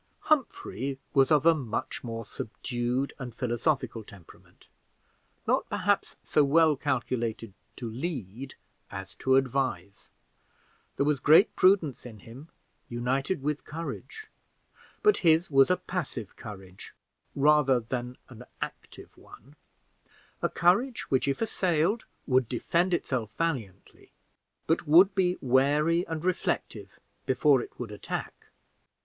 Humphrey was of a much more subdued and philosophical temperament, not perhaps so well calculated to lead as to advise; there was great prudence in him united with courage, but his was a passive courage rather than an active one a courage which, if assailed, would defend itself valiantly, but would be wary and reflective before it would attack.